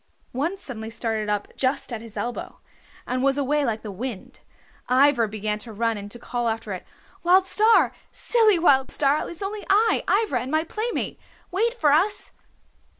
One suddenly started up just at his elbow, and was away like the wind. Ivra began to run and to call after it. "Wild Star! Silly Wild Star! It's only I, Ivra, and my playmate. Wait for us!"